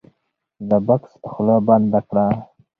د بکس خوله بنده کړه.